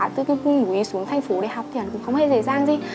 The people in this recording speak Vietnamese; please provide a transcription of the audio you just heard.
đi xuống thành phố để học thì cũng không hề dễ dàng gì